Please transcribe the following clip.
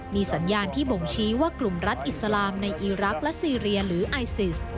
มีสัญญาณที่บ่งชี้ว่ากลุ่มรัฐอิสลามในอีรักษ์และซีเรียหรือไอซิส